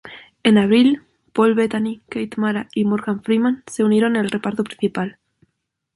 En abril, Paul Bettany, Kate Mara y Morgan Freeman se unieron al reparto principal.